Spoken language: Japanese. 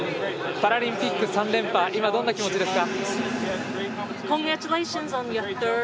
パラリンピック３連覇どんな気持ちですか。